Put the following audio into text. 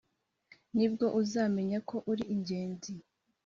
nibwo uzamenya ko uri ingenzi